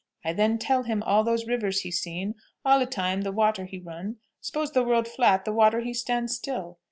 I then tell him all these rivers he seen, all e'time the water he run; s'pose the world flat the water he stand still.